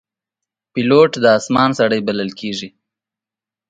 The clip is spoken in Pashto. پیلوټ د آسمان سړی بلل کېږي.